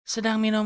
sedang minum kopi